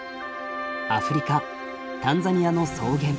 アフリカタンザニアの草原。